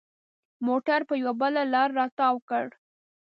موټر پر یوه بله لاره را تاو کړ.